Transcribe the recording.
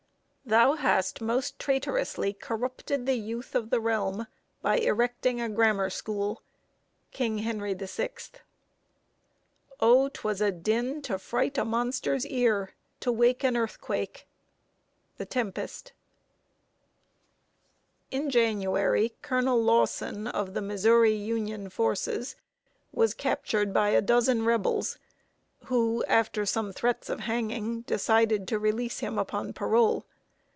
Thou hast most traitorously corrupted the youth of the realm by erecting a grammar school. KING HENRY VI. O, 'twas a din to fright a monster's ear, To wake an earthquake! TEMPEST. [Sidenote: REBEL GUERRILLAS OUTWITTED.] In January, Colonel Lawson, of the Missouri Union forces, was captured by a dozen Rebels, who, after some threats of hanging, decided to release him upon parole.